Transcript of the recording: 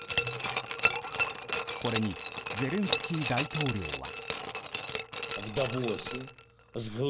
これにゼレンスキー大統領は。